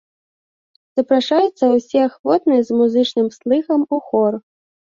Запрашаюцца ўсе ахвотныя з музычным слыхам у хор.